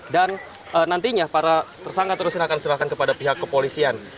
dan nantinya para tersangka terus silakan silakan kepada pihak kepolisian